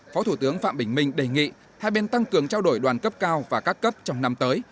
phó thủ tướng phạm bình minh đề nghị hai bên tăng cường trao đổi đoàn cấp cao và các cấp trong năm tới